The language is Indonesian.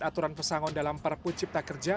aturan pesangon dalam perpucipta kerja